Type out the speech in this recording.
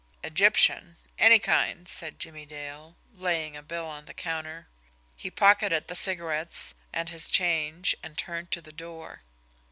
"Egyptians any kind," said Jimmie Dale, laying a bill on the counter. He pocketed the cigarettes and his change, and turned to the door.